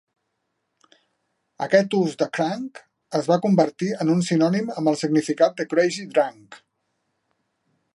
Aquest ús de "crunk" es va convertir en un sinònim amb el significat de "crazy drunk".